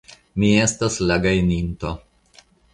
Mi estas la gajninto.